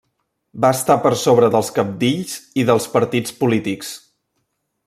Va estar per sobre dels cabdills i dels partits polítics.